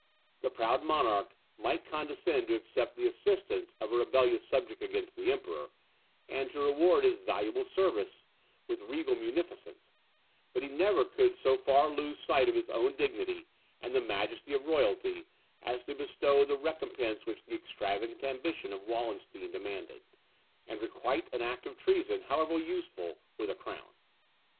The proud monarch might condescend to accept the assistance of a rebellious subject against the Emperor, and to reward his valuable services with regal munificence; but he never could so far lose sight of his own dignity, and the majesty of royalty, as to bestow the recompense which the extravagant ambition of Wallenstein demanded; and requite an act of treason, however useful, with a crown.